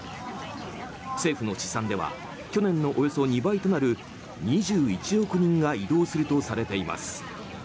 政府の試算では去年のおよそ２倍となる２１億人が移動するとされています。